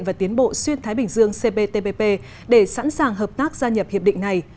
và tiến bộ xuyên thái bình dương cptpp để sẵn sàng hợp tác gia nhập hiệp định này